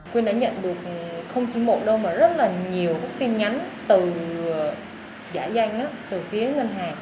quyên đã nhận được không chỉ một đơn mà rất là nhiều tin nhắn từ giả danh từ phía ngân hàng